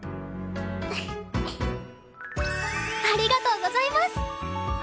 ありがとうございます！